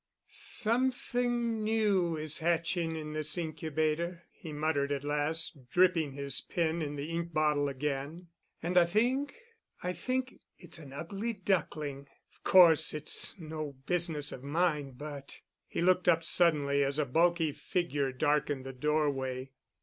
"Something new is hatching in this incubator," he muttered at last, dipping his pen in the ink bottle again. "And I think—I think it's an ugly duckling. Of course, it's no business of mine, but——" He looked up suddenly as a bulky figure darkened the doorway.